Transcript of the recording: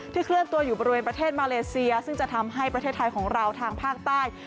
เคลื่อนตัวอยู่บริเวณประเทศมาเลเซียซึ่งจะทำให้ประเทศไทยของเราทางภาคใต้